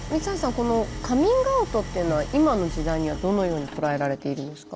このカミングアウトっていうのは今の時代にはどのように捉えられているんですか。